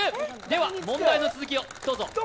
では問題の続きをどうぞ。